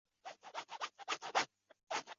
圣皮耶尔布瓦。